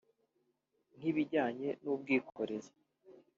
nk’ibijyanye n’ubwikorezi